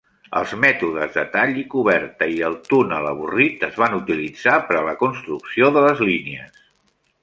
Els mètodes de tall i coberta i el túnel avorrit es van utilitzar per a la construcció de les línies.